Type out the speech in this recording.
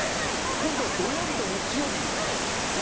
今度、土曜日と日曜日。